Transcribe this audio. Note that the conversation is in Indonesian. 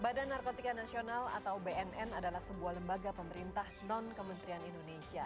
badan narkotika nasional atau bnn adalah sebuah lembaga pemerintah non kementerian indonesia